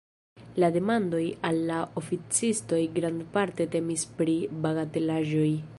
La demandoj al la oficistoj grandparte temis pri bagatelaĵoj.